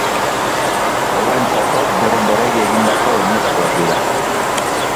Haurrentzako beren-beregi egindako oinetakoak dira.